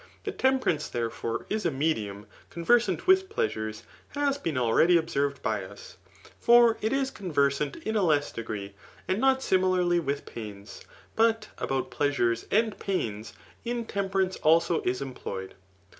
That temperance, therefore, is a medium conversant with pleasures, has been already observed by us ; for it is conversant in a less degree, and not similarly with pains ; but about pleasures and pains intemperance also is employed.